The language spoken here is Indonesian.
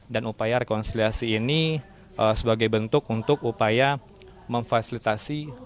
dan upaya rekonsiliasi ini sebagai bentuk untuk upaya memfasilitasi